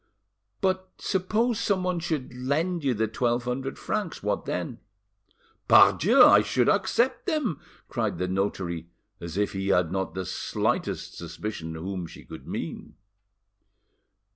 "But suppose someone should lend you the twelve hundred francs, what then?" "Pardieu! I should accept them," cried the notary as if he had not the least suspicion whom she could mean.